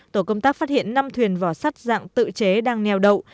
tổ công tác phát hiện năm thuyền vỏ sắt dạng tự chế đang neo đậu